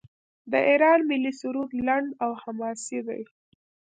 د ایران ملي سرود لنډ او حماسي دی.